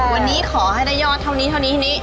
วันนี้ขอให้ได้ยอดเท่านี้เท่านี้เท่านี้